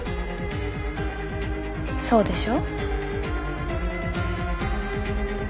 そうでしょ？